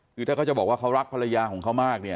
คือถ้าเขาจะบอกว่าเขารักภรรยาของเขามากเนี่ย